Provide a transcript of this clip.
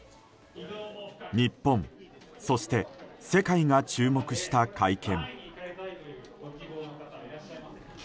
日本、そして世界が注目した会見。